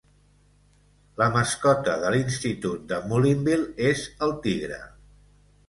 Las mascota de l'institut de Mullinville és el Tigre.